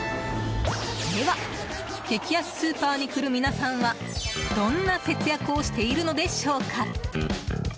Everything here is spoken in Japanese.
では、激安スーパーに来る皆さんはどんな節約をしているのでしょうか。